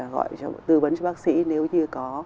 gọi tư vấn cho bác sĩ nếu như có